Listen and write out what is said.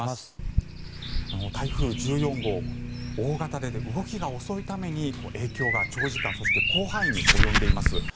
台風１４号大型で動きが遅いために影響が長時間そして広範囲に及んでいます。